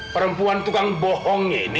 perempuan tukang bohong ini